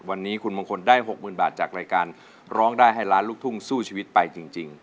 วันนี้คุณมงคลได้๖๐๐๐บาทจากรายการร้องได้ให้ล้านลูกทุ่งสู้ชีวิตไปจริง